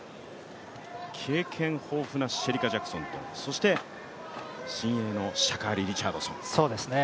経験豊富なシェリカ・ジャクソンとそして新鋭のシャカリ・リチャードソン。